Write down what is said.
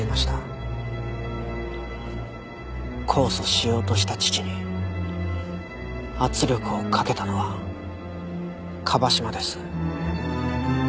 控訴しようとした父に圧力をかけたのは椛島です。